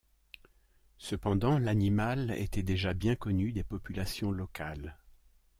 Cependant, l'animal était déjà bien connu des populations locales.